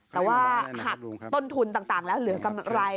แต่ว่าหักต้นทุนต่างแล้วเหลือกำไร